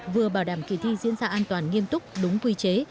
vừa bảo đảm kỳ thi diễn ra an toàn nghiêm túc đúng quy chế